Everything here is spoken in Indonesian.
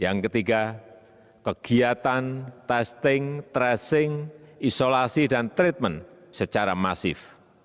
yang ketiga kegiatan testing tracing isolasi dan treatment secara masif